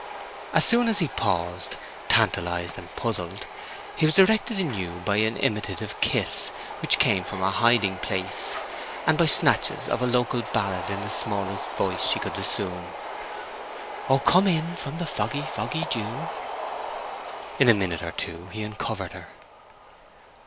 As soon as he paused, tantalized and puzzled, he was directed anew by an imitative kiss which came from her hiding place, and by snatches of a local ballad in the smallest voice she could assume: "O come in from the foggy, foggy dew." In a minute or two he uncovered her.